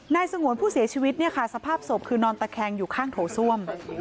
สงวนผู้เสียชีวิตเนี่ยค่ะสภาพศพคือนอนตะแคงอยู่ข้างโถส้วม